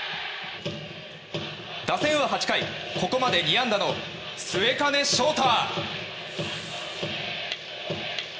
打線は８回ここまで２安打の末包昇大。